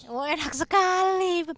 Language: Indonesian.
oh enak sekali